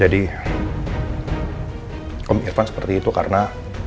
jadi om irfan seperti itu karena